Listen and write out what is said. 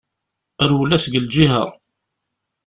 Rwel-as seg lǧiha.